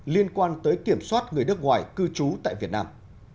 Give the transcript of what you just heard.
liên quan tới kiểm soát người nước ngoài cư trú tại việt nam